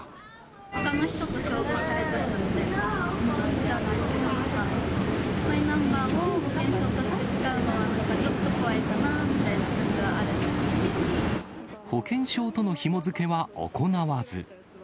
ほかの人と照合されちゃったみたいなやつ、マイナンバーを保険証として使うのはちょっと怖いかなみたいな感保険証とのひも付けは行わず。